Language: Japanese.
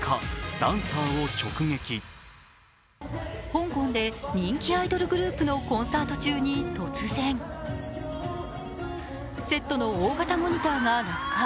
香港で人気アイドルグループのコンサート中に突然セットの大型モニターが落下。